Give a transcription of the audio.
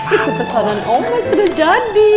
itu pesanan om ya sudah jadi